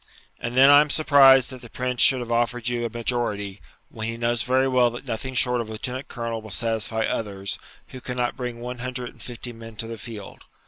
And then I am surprised that the Prince should have offered you a majority, when he knows very well that nothing short of lieutenant colonel will satisfy others, who cannot bring one hundred and fifty men to the field.